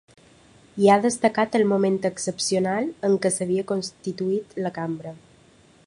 I ha destacat el moment excepcional en què s’havia constituït la cambra.